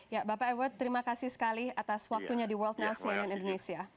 ya bapak ewer terima kasih sekali atas waktunya di world now cnn indonesia